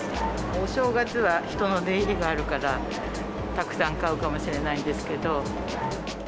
お正月は人の出入りがあるから、たくさん買うかもしれないんですけど。